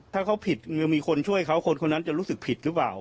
ถ้าเขาผิดมีคนช่วยเขาคนคนนั้นจะรู้สึกผิดหรือเปล่า